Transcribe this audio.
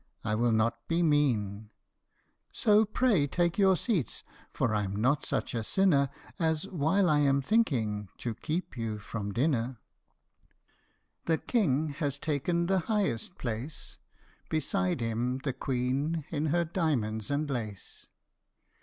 I will not be mean ; So pray take your seats, for I 'm not such a sinner As, while I am thinking, to keep you from dinner !" The King has taken the highest place, Beside him the Queen in her diamonds and lace.